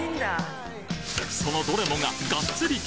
そのどれもががっつり系！